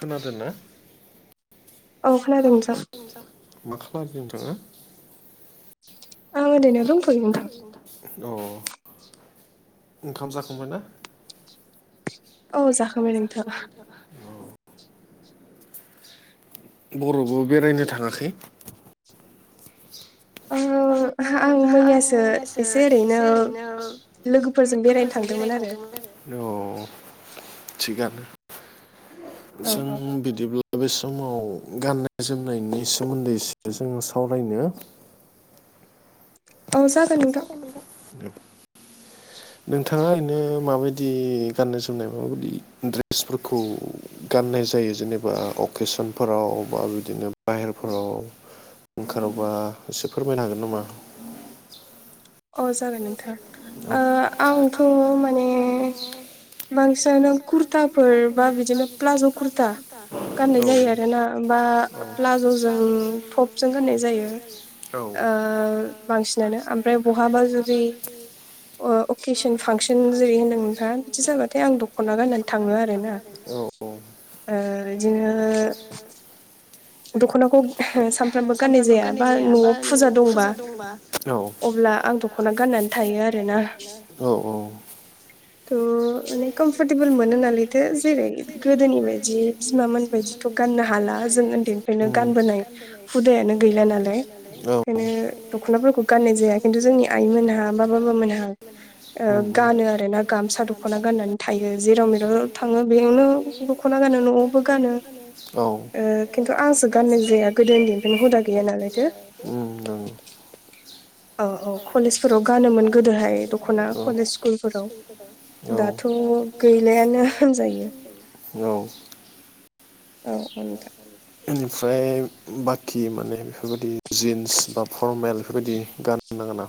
खुनादोंना? औ खोनादों नोंथां। मा खालामदों नोंथाङा? आं ओरैनो दंफैयो नोंथां। अ ओंखाम जाखांबाय ना? औ जाखाबाय नोंथां। [inaudible] बर'बो बेरायनो थाङाखै? ओहो आं मैयासो सो एसे ओरैनो लोगोफोरजों बेरायनो थांदोंमोन आरो। औ थिगानो जों बिदिब्ला बे समाव गाननाय जोमनायनि सोमोन्दै जोङो सावरायनो औ [unintelligible] नोंथाङा ओरैनो माबायदि गाननाय जोमनाय माबायदि ड्रेसफोरखौ गाननाय जायो जेनेबा अकेसनफोराव बा बिदिनो बाहेरफोराव ओंखारोबा एसे फोरमायनो हागोन नामा? अ जागोन नोंथां ओ आंथ' माने बांसिनानोों कुरथाफोर बा बिदिनो प्लाज' कुरथा गाननाय जायो आरोना। प्लाज'जों टपजों गनाय जायो ओ बांसिनानो ओमफ्राय बहाबा जुदि अ अकेसन फांसन जेरै होनदोंमोनथां बिदि जाबाथाय आं दख'ना गाननानै थाङो आर ना। ओ बिदिनो दखनाखौ सानफ्रामबो गाननाय जाया बा न'आव फुजा दंबा अब्ला आं दख'ना गाननानै थायो आरोना। थ' माने कमफरटेबोल मोनो नालायथो जेरै गोदोनि बायदि बिमाोन बदिथ' गाननो हाला जों उन्दैनि ओंखायनो गानबोनाय हुदायानो गैला नालाय ओंखायनो दख'नाफोरखौ गाननाय जाया खिन्थु जोंनि आइ मोनहा मा ओ बामोनहा गानो आरो ना गामसा दख'ना गानो। थायो जेराव मेराव थाङो बेयावनो दख'ना गानो न'आवबो गानो। औ ओ खिन्थु आंसो गाननाय जाया गोदो उन्दैनिफ्रायनो हुदा गैया नालायथो। औ औ कलेजफोराव गानोमोन गोदोहाय दख'ना कलेज स्कुलफोराव। [inaudible] दाथ' गैलायानो होनजायो औ औ ओं दे इनिफ्राय बाकि माने बेफोरबायदि जिन्स बा फरमेल बेफोरबायदि गान नोना गाना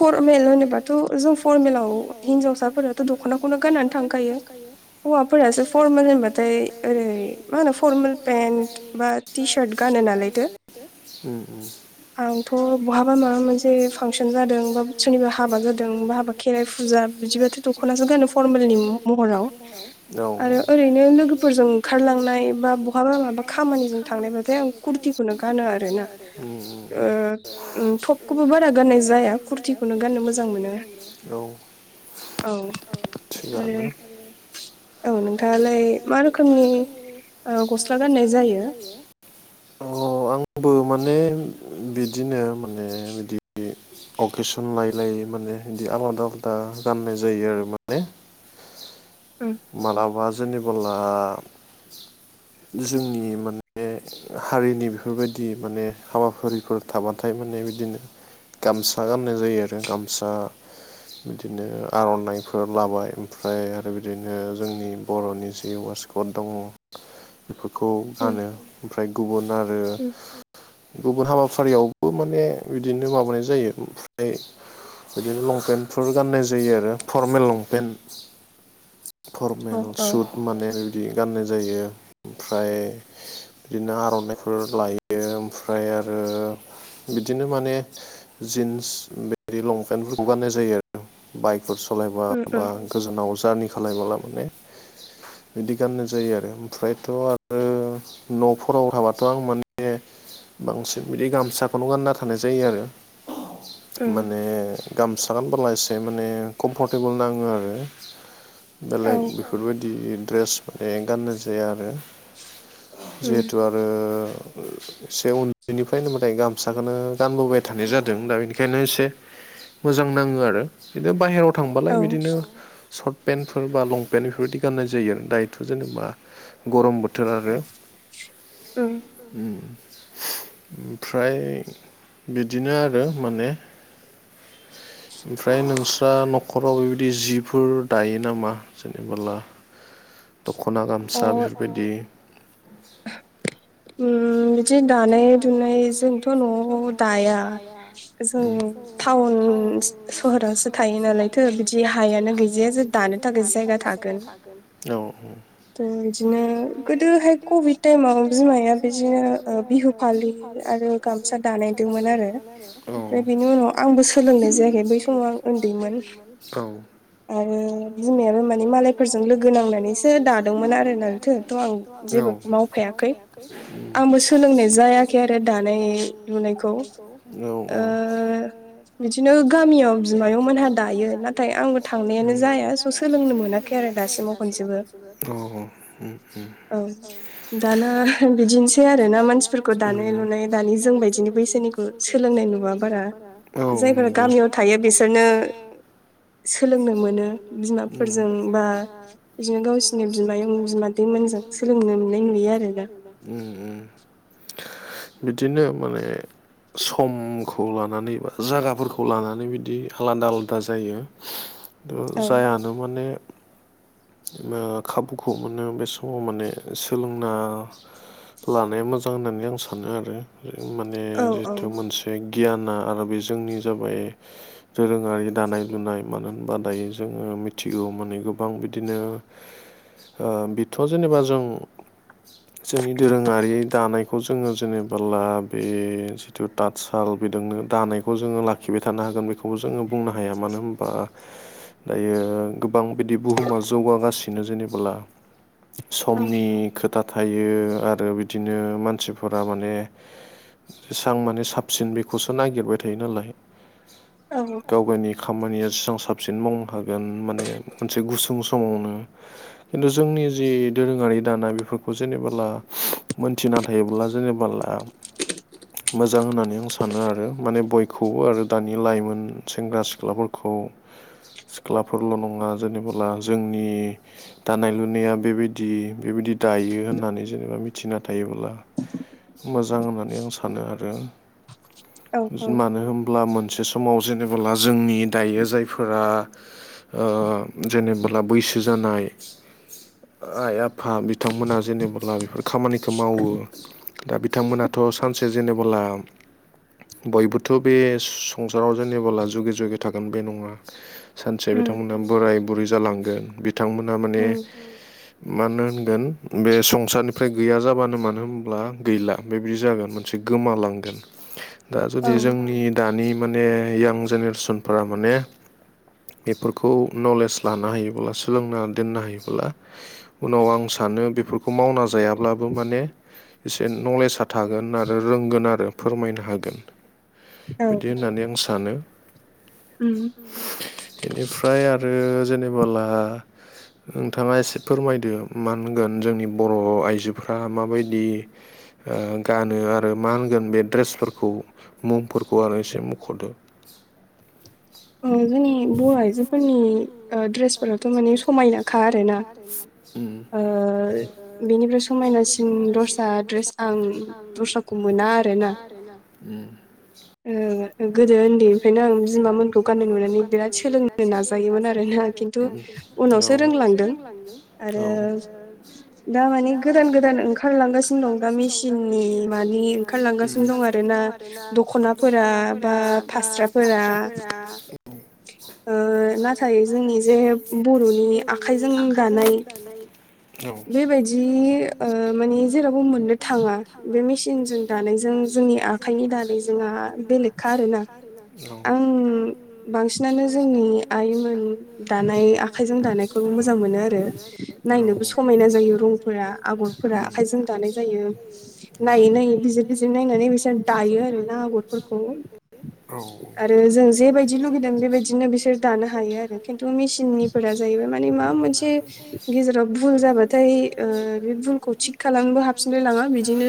फर मेल होनोबाथ' जों फरमेलाव हिनजाव सा फोराथ' दख'नाखौनो गाननानै थांखायो हौवाफोरासो फरमेल होनबाथाय ओरै मा होनो फरमेल पेन्ट बा टि सार्ट गानो नालाय बिसोर आंथ' बहाबा माबा मोनसे फांसन जादों बा सोरनिबा हाबा जादों बा हाबा खेराइ फुजा बिदिबाथ' औ औ फोरजों ओंखारलांनाय बा ब'हाबा माबा खामानिजों थांनायबाथाय आं कुरतिखौनो गानो आरोना ओ ओम थबखोबो बारा थबखौबो बारा गाननाय जाया कुर्तिखौनो गाननो मोजां मोनो औ औ आरो औ नोंथाङालाय मा रोखोमनि ओ गस्ला गाननाय जायो? अ आंबो माने बिदिनो माने बिदि अकेसन लायै लायै माने बिदि आलादा आलादा गाननाय जायो आरो माने मालाबा जेनेबोला जोंनि माने हारिनि बेफोरबायदि माने हाबाफारिफोर थाबाथाय माने बिदिनो गामसा गाननाय जायो आरो गामसा बिदिनो आर'नाइफोर लाबाय ओमफ्राय आरो बिदिनो जोंनि बर'नि जि वासकट दङ' बेफोरखौ गानो ओमफ्राय गुबुन आरो गुबुन हाबाफारियावबो माने बिदिनो माबानाय जायो ओमफ्राय बिदिनो लंफेनफोर गान्नाय जायो आरो फरमेल लंपेन्ट फरमेल सुट माने बेबादि गाननाय जायो ओमफ्राय बिदिनो आर'नाइफोर लायो ओमफ्राय आरो बिदिनो माने जिन्स बेदि लंपेन्टफोरखौ गान्नाय जायो आरो बाइकफोर सलायबा बा गोजानाव जारनि खालायबोला माने बिदि गाननाय जायो आरो ओमफ्रायथ' आरो न'फोराव थाबाथ' आं माने बांसिन बिदि गामसाखौनो गानना थानाय जायो आरो माने गामसा गानबोला एसे माने कमफरटेबोल नाङो आरो बेलेग बेफोरबायदि ड्रेस माने गाननाय जाया आरो जिहेथु आरो [inaudible] एसे उन्दैनिफ्रायनो माने गामसाखौनो गानबोबाय थानाय जादों दा बेनिखायनो एसे मोजां नाङो आरो बिदिनो बाहेराव थांबालाय बिदिनो सर्ट पेन्टफोर बा लंपेन्ट बेफोरबायदि गाननाय जायो आरो दायथ' जेनेबा गरम बोथोर आरो ओमफ्राय बिदिनो आरो माने ओफ्राय नोंस्रा न'खराव बेबायदि जिफोर दायो नामा जेनेबाला दख'ना गामसा बेफोरबायदि बिदि दानाय लुनायजोंथ' न'आव दाया जों टाउन सहरावसो थायो नालायथ' बिदि हायानो गैजाया जे दानो थाखाय जायगा थागोन औ औ बिदिनो गोदोहाय कभिड टाइमाव बिमाया बिदिनो बिहु फालि आरो गामसा दानायदोंमोन आरो। ओमफ्राय बिनि उनाव आंबो सोलोंनाय जायाखै बै समाव आं औ आरो बिमायाबो माने मालायफोरजों लोगो नांनानैसो दादोंमोन आरोनालथो थ' आं जेबो मावफायाखै आंबो सोलोंनाय जायाखै आरो दानाय लुनायखौ ओ बिदिनो गामियाव बिमायं नोंथां मोनहा दायो नाथाय आंबो थांनायानो जाया स' सोलोंनो मोनाखै आरो दासिमाव खनसेबो। औ बिदिनोसै आरो ना मानसिफोरखौ दानाय लुनाय दानि जों बादिनो बैसोनिखौ सोलोंनाय नुवा बारा। जायफोरा गामियाव थायो बिसोरनो सोलोंनो मोनो बिमाफोरजों बा बिदिनो गावसोरनि बिमायं बिमादैमोनजों सोलोंनो मोननाय नुयो आरोना। बिदिनो माने समखौ लानानै बा जागाफोरखौ लानानै बिदि आलादा आलादा जायो थ जायानो माने ओ खाबुखौ मोनानो बे समाव माने सोलोंना लानाया मोजां होननानै आं सानो आरो। माने जिथु मोनसे गियाना आरो बे जोंनि जाबाय दोरोङारि दानाय लुनाय मानो होनबा दायो जोङो मिथिगौ माने गोबां बिदिनो बेथ' जेनेबा जों जोंनि दोरोङारि दानाय बे जोङो जेनेबोला बे जिथु तातसाल बेजोंनो दानायखौ जोङो लाखिबाय थानो हागोन बेखौ जोङो बुंनो हाया मानो होनबा दायो गोबां बिदि बुहुमा जौगासिनो बेनो जेनेला समनि खोथा दा थायो आरो बिदिनो मानसिफोरा माने जेसेबां माने साबसिन बेखौसो नागिरबाय थायो नालाय। गाव गावनि खामानिया जसेबां साबसिन मावनो हागोन माने मोनसे गुसुं [inaudible] खिन्थु जोंनि जि दोरोङारि दाना बेफोरखौ जेनेबोला मोनथिना थायोब्ला जेनेबा मोजां होननानै आं सानो आरो माने बयखौबो आरो दानि लाइमोन सेंग्रा सिख्लाफोरखौ सिख्लाफोरल' नङा जेनेबोला जोंनि दानाय लुनाया बेबायदि बेबायदि दायो होननानै जेनेबा मिथिना थायोब्ला मोजां होननानै आं सानो आरो। मानो होनब्ला मोनसे समाव जेनेबोला जोंनि दायो जाय फोरा ओ जेनेबोला बैसो जानाय आइ आफा बिथांमोना जेनेबा बेफोर खामानिखौ मावो। दा बिथांमोनाथ' सानसे जेनेबोला बयबोथ' बे स संसाराव जेनेबोला जुगे जुगे थागोन बे नङा। सानसे बिथांमोनहा बोराय बुरै जालांगोन बिथांमोनहा माने मानो होनगोन बे संसारनिफ्राय गैया जाबानो मानो होनब्ला गैला। बेबायदि जागोन मोनसे गोमालांगोन दा जुदि जोंनि दानि माने यां जेनेरेसनफोरा माने बेफोरखौ नलेज लानो हायोब्ला सोलोंना दोननो हायोब्ला उनाव आं सानो बेफोरखौ मावना जायाब्लाबो माने एसे नलेजआ थागोन आरो रोंगोन आरो फोरमायनो हागोन। बिदि होननानै आं सानो। बेनिफ्राय आरो जेनेबोला नोंथाङा एसे फोरमायदो मा होनगोन जोंनि बर' आइजोफ्रा माबायदि गानो आरो मा होनगोन बे ड्रेसफोरखौ मुंफोरखौ आरो एसे मख'दो जोंनि बर आइजोफोरनि ड्रेसफोरावथ' माने समायनाखा आरोना बेनिफ्राय समायनासिन दस्रा द्रेस आं दस्राखौ मोना आरोना ओ गोदो उन्दैनिफ्रायनो आं बिमामोनखौ दखना नुनानै बिराद सोलोंनो नाजायोमोन आरो [unintelligible] ना उनावसो रोंलांदों आरो दा माने गोदान गोदान ओंखार ओंखारलांगासिनो दं दा मेसिननि मानि ओंखारलांगासिनो दं आरो ना दख'ना दख'नाफोरा बा फास्राफोरा ओ नाथाय नाथाय जोंनि जे बर'नि आखाइजों दानाय बेबायदि माने जेरावबो मोननो थाङा बे मेसिनजों दानायजों जोंनि आखाइ आखाइनि दानाया जोंहा बेलेखा आरोना आं बांसिनानो जोंनि आइमोन दानाय आखाइजों दानायखौ मोजां मोनो आरो नायनोबो समायना जायो रंफोरा आगर फोरा आखायजों दानाय जायो नायै नायै बिजिर बिजिर नायनानै बिसोर दायो आरो ना आगर फोरखौ आरो जों जेबायदि लुगैदों बेबायदिनो बिसोर दानो हायो जाहैबाय खिनथु मेसिननिफोरा जाहैबाय माबा मोनसे गेजेराव भुल जाबानो नाथाय बे भुलखौ थिग खालामनोबो हाबफिनलाय लाङा बिदिनो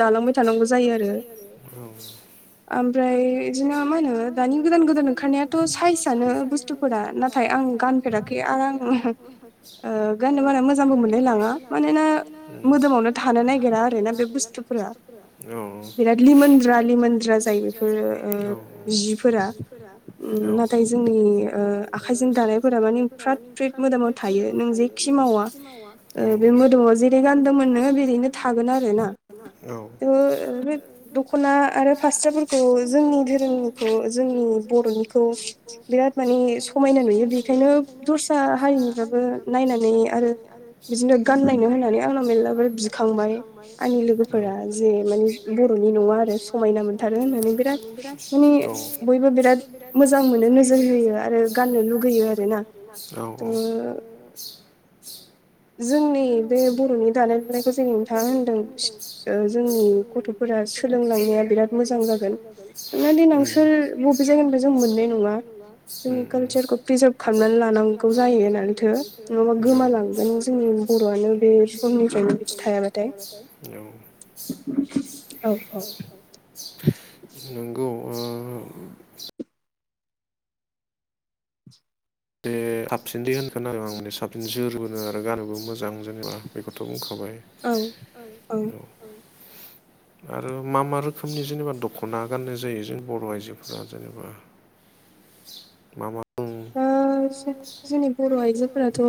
दालांबाय थानांगौ जायो आरो [inaudible] ओमफ्राय बिदिनो मा होनो दानि गोदान गोदान ओंखारनायाथ' साइजानो बुस्थुफोरा नाथाय आं गानफेराखै आरो आं गाननो बारा मोजांबो मोनलायलाङा मानोना मोदोमावनो थानो नागिरा आरोना बे बुस्थुफोरा बिराद लिमोनद्रा लिमोनद्रा जायो बेफोरो जिफोरा नाथाय जोंनि आखाइजों दानायफोरा मानि फ्रात फ्रिद मोदोमाव थायो नों जेखि मावा बे मोदोमाव जेरै गानदोंमोन नोङो बिदिनो थागोन आरो ना थ ओै दख'ना आरो फास्राफोरखौ जोंनि धोरोमनिखौ जोंनि बर'निखौ बिराद माने [unintelligible] समायना नुयो बेखायनो दस्रा हारिनिफ्राबो नायनानै आरो बिदिनो गानलायनो होननानै आंनाव मेलाबार बिखांबाय आंनि लोगोफोरा जे माने बर'नि नङा आरो समायना मोनथारो होननानै बिराद माने बयबो बिराद मोजां मोनो नोजोर होयो आरो गाननो लुुबैयो आरोना औ औ [unintelligible] जोंनि बे बर'नि दानाय लुनायखौ जोंनि नोंथाङा होनदों जोंनि गथ' सोलोंलांनाया बिराद मोजां जागोन माने देनां सोर बबे जायगानिफ्राय जों मोननाय नङा जोंनि कालसारखौ प्रिजार्भ खालामनानै लानांगौ जायो होनथो नङाबा गोमालांगोन जोंनि बर'आनो बे [unintelligible] बिदि थायाबाथाय औ औ नंगौ बे साबसिन द होनखोन आरो आं माने साबसिन जोरो आरो गानबो मोजां जेनेबा बेखौथ' बुंखाबाय [unintelligible] औ [inaudible] आरो मा मा रोखोमनि जेनेबा दख'ना गाननाय जायो जों बर' आइजोफोरा जेनेबा [inaudible] मा मा दा जोंनि बर' आइजोफोराथ'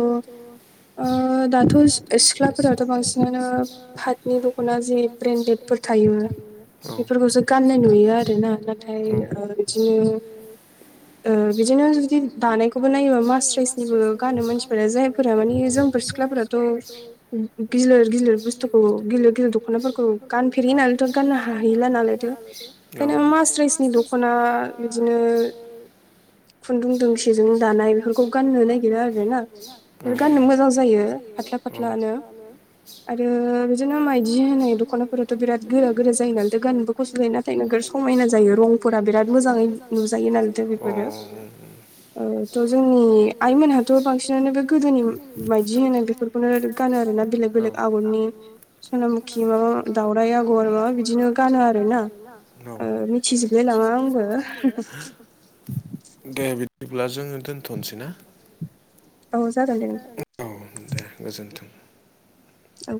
दाथ' सिख्लाफोराथ' बांसिनानो फादनि दखना जों ब्रेन्डेडफोर थायो औ बेफोरखौसो गाननाय नुयो आरोना औ बिदि [inaudible] ओ बिदिनो जुदि दानायखौबो नायोब्ला मासरासनिबो गानो मानसिफोरा जायफोरा मानि जोंफोर सिख्लाफोराथ' गिलिर गिलिर बुस्थुखौ गिलिर गिलिर दखनाफोरखौ गानफेरियो नालायथ' गाननो हाहैला नालायथ'। औ बेखायनो मासरासनि दख'ना बिदिनो [inaudible] खुन्दुं दोंसे दानाय बेफोरखौ गाननो नागिरा आरोना बे गाननो मोजां जायो फाथला औ फाथला फाथलानो आरो बिदिनो मायदि होनाय दखनाफोराथ' बिराद गोरा गोरा जायो नालाय दा गाननोबो खसथ' जायो ना नाथाय जोबोर समायना जायो रंफोरा बिराद मोजां नुजायो माने अ [inaudible] ओ थ' जोंनि आइमोनहाथ' बांसिनानो बे गोदोनि मायदि होनाय बेफोर खौनो गानो आरोना बेलेग बेलेग बेलेग आगरनि सनामुखि माबा दावउराइ आगर माबा बिदिनो गानो आरो ना ओ मिथिजोबलायलाङा आंबो दे बिदिब्ला जोङो दोनथ'नोसै ना? औ जागोन दे औ दे गोजोनथों। औ